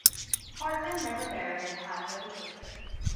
Hartman was never married and had no children.